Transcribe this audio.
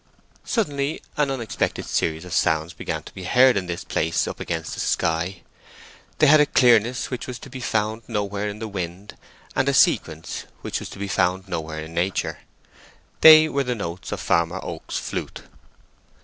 Suddenly an unexpected series of sounds began to be heard in this place up against the sky. They had a clearness which was to be found nowhere in the wind, and a sequence which was to be found nowhere in nature. They were the notes of Farmer Oak's flute.